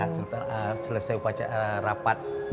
istirahat selesai rapat